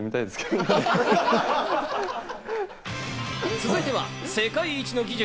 続いては世界一の技術！